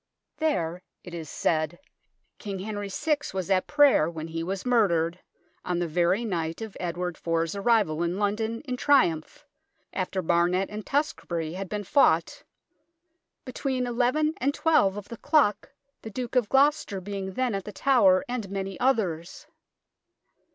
There, it is said, King Henry VI was at prayer when he was murdered, on the very night of Edward IV's arrival in London in triumph, after Barnet and Tewkesbury had been fought, " between xi and xii of the clock, the Duke of Gloucester being then at The Tower, and many others."